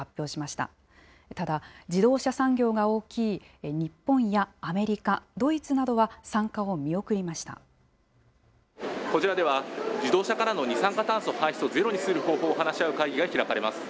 ただ、自動車産業が大きい日本やアメリカ、ドイツなどは、こちらでは、自動車からの二酸化炭素排出をゼロにする方法を話し合う会議が開かれます。